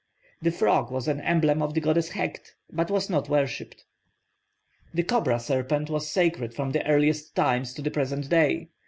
The frog was an emblem of the goddess Heqt, but was not worshipped. The cobra serpent was sacred from the earliest times to the present day.